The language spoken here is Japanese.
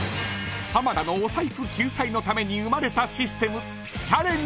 ［浜田のお財布救済のために生まれたシステム］